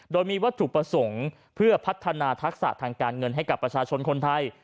โดยมีวัตถุประสงค์เพื่อพัฒนาทักษะทางการเงินให้กับประชาชนคนไทย